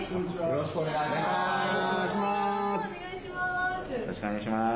よろしくお願いします。